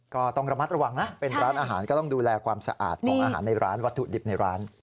ก็ต้องระมัดระวังนะเป็นร้านอาหารก็ต้องดูแลความสะอาดของอาหารในร้านวัตถุดิบในร้าน